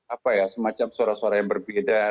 apa ya semacam suara suara yang berbeda